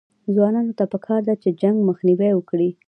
ځوانانو ته پکار ده چې، جنګ مخنیوی وکړي